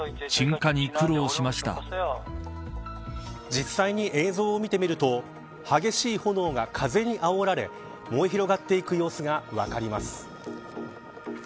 実際に映像を見てみると激しい炎が風にあおられ燃え広がっていく様子が分かります。